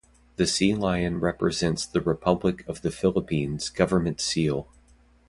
The sea lion represents the Republic of the Philippines government seal.